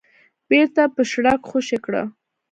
بېرته يې په شړک خوشې کړه.